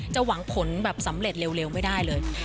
หวังผลแบบสำเร็จเร็วไม่ได้เลย